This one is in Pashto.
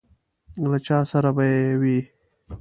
له چا سره به یې وي.